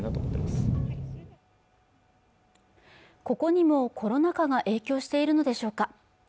ここにもコロナ禍が影響しているのでしょうか